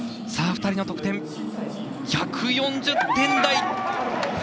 ２人の得点、１４０点台！